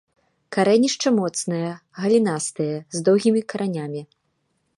Карэнішча моцнае, галінастае, з доўгімі каранямі.